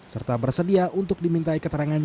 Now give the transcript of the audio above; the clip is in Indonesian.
serta bersedia untuk dimintai keterangan